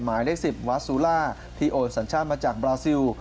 ไม้เล็ก๑๐วาสูราที่โอนสัญชาติมาจากแบราซิล